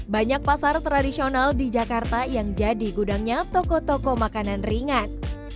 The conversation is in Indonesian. banyak pasar tradisional di jakarta yang jadi gudangnya toko toko makanan ringan